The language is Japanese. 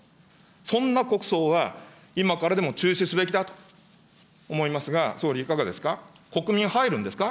そんな国葬は、今からでも中止すべきだと思いますが、総理、いかがですか。